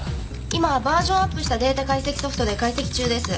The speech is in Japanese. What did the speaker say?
今バージョンアップしたデータ解析ソフトで解析中です。